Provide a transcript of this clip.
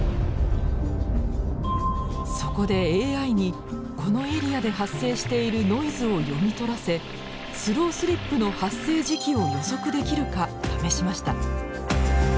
そこでＡＩにこのエリアで発生しているノイズを読み取らせスロースリップの発生時期を予測できるか試しました。